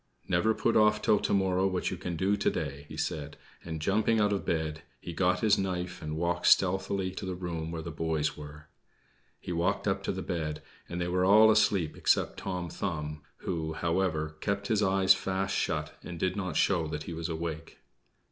"Never put off till to morrow what you can do to day," he said; and, jumping out of bed, he got his knife and walked stealthily to the room where the boys were. He walked up to the bed, and they were all asleep except Tom Thumb, who, however, kept his eyes fast shut, and did not show that he was awake.